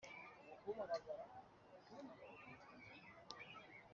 Abantu aho bari batuye nihobasubira.